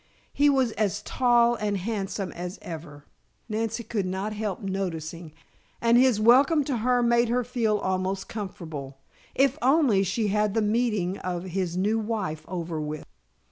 He was as tall and handsome as ever, Nancy could not help noticing, and his welcome to her made her feel almost comfortable if only she had the meeting of his new wife over with.